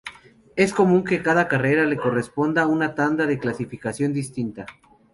Es común que a cada carrera le corresponda una tanda de clasificación distinta.